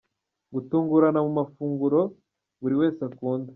Gutungurana mu mafunguro buri wese akunda.